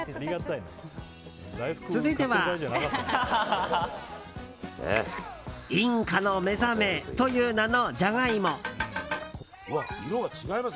続いては、インカのめざめという名のジャガイモ。